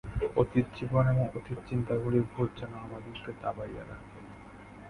অতীত জীবন এবং অতীত চিন্তাগুলির ভূত যেন আমাদিগকে দাবাইয়া রাখে।